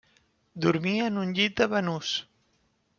Dormia en un llit de banús.